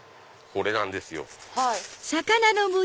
これなんですよ。